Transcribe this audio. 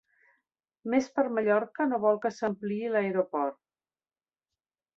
Més per Mallorca no vol que s'ampliï l'aeroport